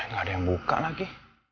nggak ada yang buka lagi